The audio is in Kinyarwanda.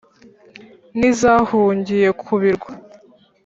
n’izahungiye ku birwa.